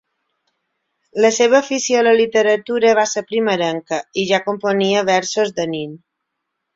La seva afició a la literatura va ser primerenca i ja componia versos de nen.